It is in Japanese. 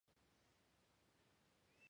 ルービックキューブは六面である